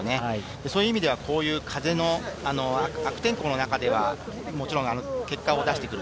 そういう意味では風の悪天候の中で、もちろん結果を出してくる。